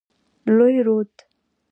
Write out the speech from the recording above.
لوی رود.